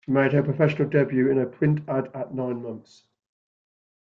She made her professional debut in a print ad at nine months.